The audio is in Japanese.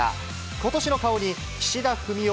ことしの顔に岸田文雄